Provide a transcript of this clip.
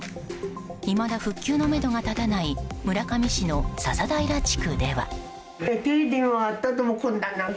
いまだ復旧のめどが立たない村上市の笹平地区では。